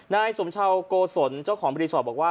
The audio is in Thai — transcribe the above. นายสุมชาวโกสนเจ้าของบริษัทบอกว่า